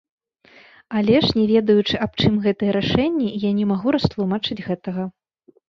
Але ж, не ведаючы, аб чым гэтыя рашэнні, я не магу растлумачыць гэтага.